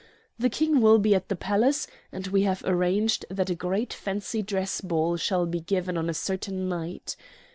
The King will be at the palace, and we have arranged that a great fancy dress ball shall be given on a certain night.